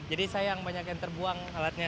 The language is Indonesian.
jadi sayang banyak yang terbuang alatnya